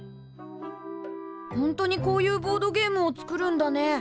ほんとにこういうボードゲームを作るんだね。